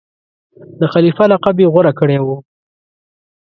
د خلیفه لقب یې غوره کړی وو.